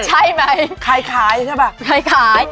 ใช่ไหมคล้ายใช่ป่ะคล้าย